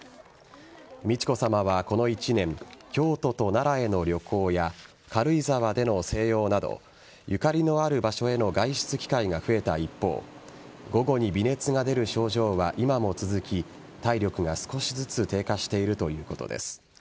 美智子さまはこの１年京都と奈良への旅行や軽井沢での静養などゆかりのある場所への外出機会が増えた一方午後に微熱が出る症状は今も続き体力が少しずつ低下しているということです。